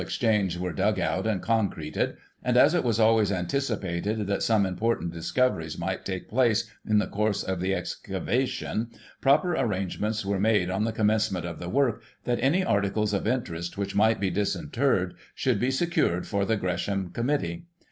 [1841 Exchange were dug out and concreted, and, as it was always anticipated that some important discoveries might take place in the course of the excavation, proper arrangements were made on the commencement of the work, that any articles of interest which might be disinterred, should be secured for the Gresham Committee.